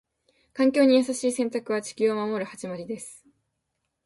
環境に優しい選択は、地球を守る始まりです。